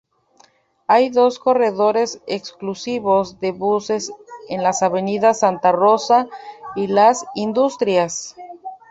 Hay dos corredores exclusivos de buses en las avenidas Santa Rosa y Las Industrias.